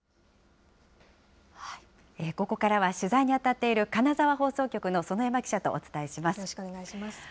ここからは取材に当たっている金沢放送局の園山記者とお伝えよろしくお願いします。